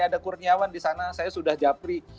ada kurniawan di sana saya sudah japri